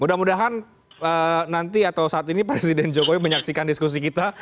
mudah mudahan nanti atau saat ini presiden jokowi menyaksikan diskusi kita